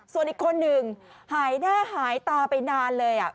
ส่วนอีกคนหนึ่งหายหน้าหายตาไปนานเลย